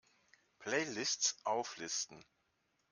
Playlists auflisten!